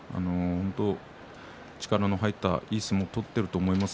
力の入っている、いい相撲を取っていると思います。